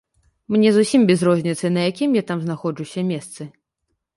Мне зусім без розніцы, на якім я там знаходжуся месцы.